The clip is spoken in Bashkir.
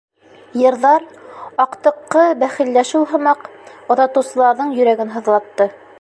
Йырҙар, аҡтыҡҡы бәхилләшеү һымаҡ, оҙатыусыларҙың йөрәген һыҙлатты.